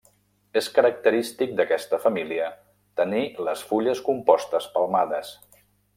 És característic d'aquesta família tenir les fulles compostes palmades.